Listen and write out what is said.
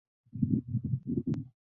索尔河畔巴尔赞库尔。